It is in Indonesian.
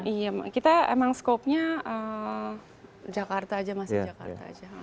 iya kita emang skopnya jakarta aja masih jakarta aja